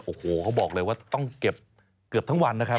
โอ้โหเขาบอกเลยว่าต้องเก็บเกือบทั้งวันนะครับ